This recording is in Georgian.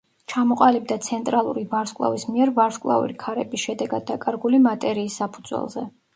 ჩამოყალიბდა ცენტრალური ვარსკვლავის მიერ ვარსკვლავური ქარების შედეგად დაკარგული მატერიის საფუძველზე.